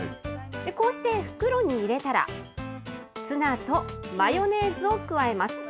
こうして袋に入れたら、ツナとマヨネーズを加えます。